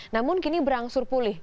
namun kini berangsur pulih